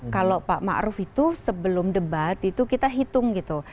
kalau pak ma'ruf itu sebelum debat itu kita hitung gitu